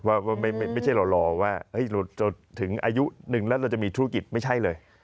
ว่าไม่ใช่เรารอว่าเราจะถึงอายุหนึ่งแล้วเราจะมีธุรกิจไม่ใช่เลย